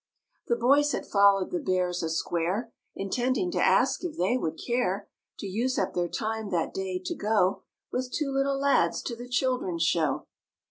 The boys had followed the Bears a square. Intending to ask if they would care To use up their time that day to go With two little lads to the children's show.